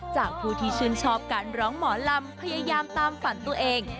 จากผู้ที่ชื่นชอบการร้องหมอลำพยายามตามฝันตัวเอง